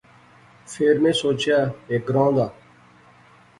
فیر میں سوچیا ہیک گراں دا